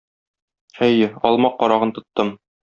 Әйе, алма карагын тоттым.